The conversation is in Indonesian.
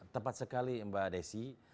tepat sekali mbak desy